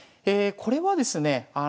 これはですね